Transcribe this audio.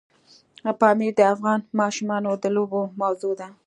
پامیر د افغان ماشومانو د لوبو موضوع ده.